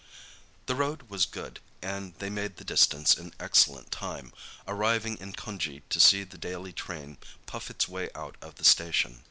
The road was good and they made the distance in excellent time, arriving in Cunjee to see the daily train puff its way out of the station.